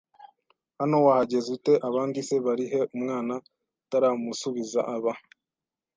Hano wahageze ute Abandi se bari he Umwana ataramusubiza aba